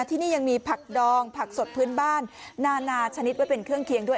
ที่นี่ยังมีผักดองผักสดพื้นบ้านนานาชนิดไว้เป็นเครื่องเคียงด้วย